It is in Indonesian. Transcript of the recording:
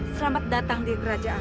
selamat datang di kerajaan